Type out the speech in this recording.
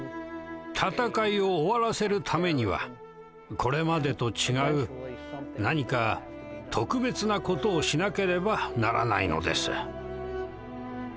戦いを終わらせるためにはこれまでと違う何か特別な事をしなければならないのです。